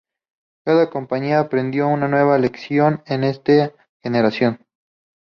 Cada compañía aprendió una nueva lección en esta generación.